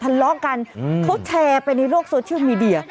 ทะเลาะกันเขาแชร์ไปในโลกโซเชียลมีเดีย